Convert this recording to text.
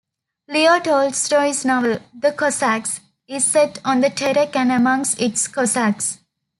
Leo Tolstoy's novel "The Cossacks" is set on the Terek and amongst its Cossacks.